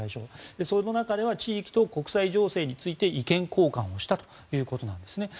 その中では地域と国際情勢について意見交換をしたということです。